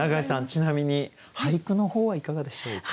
ちなみに俳句の方はいかがでしょうか？